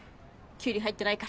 キュウリ入ってないから。